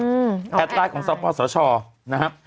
อ๋อแอดไลน์แอดไลน์ของศัพท์พอร์สสชนะฮะ